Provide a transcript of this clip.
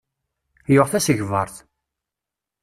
Yuɣ tasegbart.